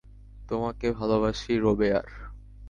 তোমাকে ভালোবাসি, রোবেয়ার।